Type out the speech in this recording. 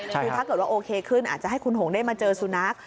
ถ้าเกิดว่าโอเคขึ้นอาจจะให้คุณหงษ์ได้เจอซูนัฐ